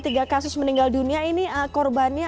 tiga kasus meninggal dunia ini korbannya